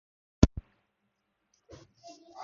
She attended the High School of Performing Arts.